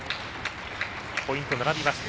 ポイント、並びました。